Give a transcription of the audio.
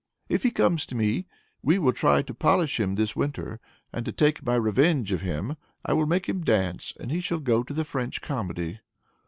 If he comes to me, we will try to polish him this winter, and, to take my revenge of him, I will make him dance, and he shall go to the French comedy.